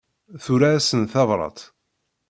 Tura-asen tabrat.